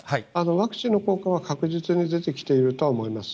ワクチンの効果は確実に出てきているとは思います。